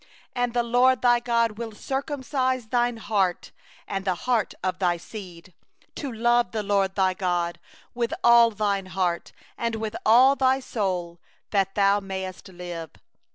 30 6And the LORD thy God will circumcise thy heart, and the heart of thy seed, to love the LORD thy God with all thy heart, and with all thy soul, that thou mayest live.